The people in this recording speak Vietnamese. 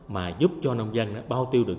mà giúp cho nông dân bao tiêu được